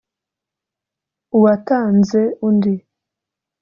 Uwatanze undi